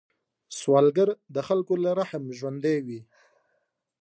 سوالګر د خلکو له رحم ژوندی دی